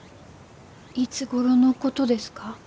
いつごろのことですか？